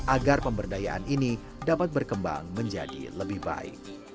agar pemberdayaan ini dapat berkembang menjadi lebih baik